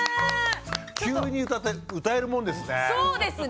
急に歌って歌えるもんですね。